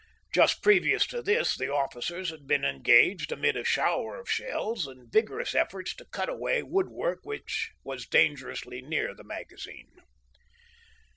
Just previous to this the officers had been engaged, amid a shower of shells, in vigorous efforts to cut away wood work which was dangerously near the magazine.